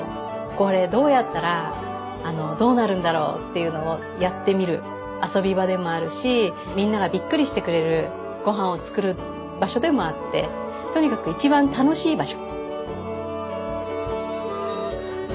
これどうやったらどうなるんだろうっていうのをやってみる遊び場でもあるしみんながびっくりしてくれるごはんを作る場所でもあってとにかく一番楽しい場所。